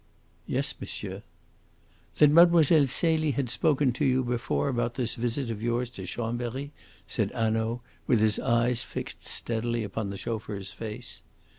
"Yes, monsieur." "Then Mlle. Celie had spoken to you before about this visit of yours to Chambery," said Hanaud, with his eyes fixed steadily upon the chauffeur's face.